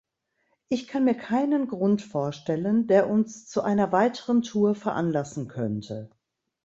Ich kann mir keinen Grund vorstellen, der uns zu einer weiteren Tour veranlassen könnte.